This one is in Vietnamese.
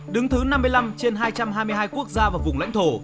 đứng thứ năm mươi năm trên hai trăm hai mươi hai quốc gia và vùng lãnh thổ